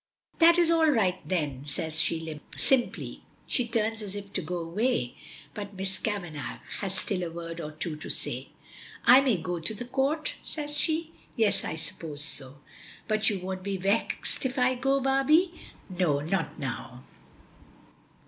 "That is all right then," says she simply. She turns as if to go away, but Miss Kavanagh has still a word or two to say. "I may go to the Court?" says she. "Yes; I suppose so." "But you won't be vexed if I go, Barbie?" "No; not now."